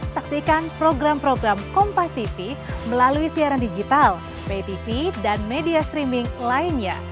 saksikan program program kompas tv melalui siaran digital btv dan media streaming lainnya